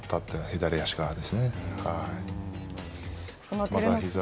左足側ですね。